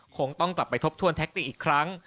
คงต้องกลับไปทบทวนแท็กติกอีกครั้ง